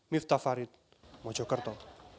miftah farid mojokerto